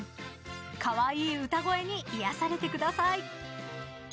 カワイイ歌声に癒やされてください。